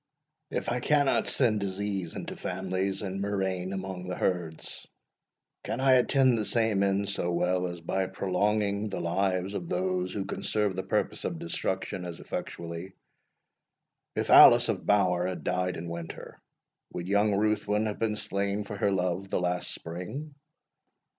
If I cannot send disease into families, and murrain among the herds, can I attain the same end so well as by prolonging the lives of those who can serve the purpose of destruction as effectually? If Alice of Bower had died in winter, would young Ruthwin have been slain for her love the last spring?